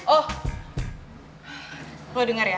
oh lo denger ya